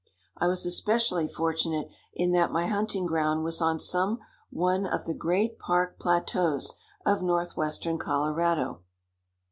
I was especially fortunate in that my hunting ground was on some one of the great park plateaus of northwestern Colorado.